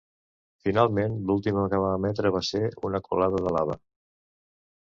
Finalment, l'última que va emetre va ser una colada de lava.